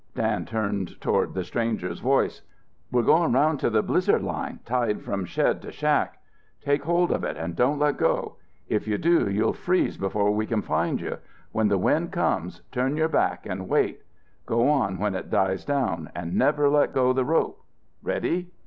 Dan turned toward the stranger's voice. "We're going 'round to the blizzard line tied from shed to shack. Take hold of it and don't let go. If you do you'll freeze before we can find you. When the wind comes, turn your back and wait. Go on when it dies down and never let go the rope. Ready?